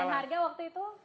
bagaimana harga waktu itu